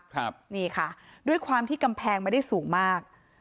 ครับนี่ค่ะด้วยความที่กำแพงไม่ได้สูงมาก